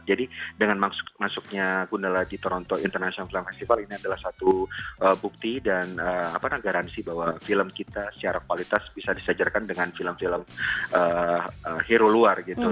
dengan masuknya gundala di toronto international film festival ini adalah satu bukti dan garansi bahwa film kita secara kualitas bisa disejarkan dengan film film hero luar gitu